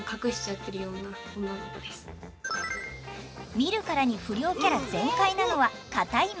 見るからに不良キャラ全開なのは片居誠。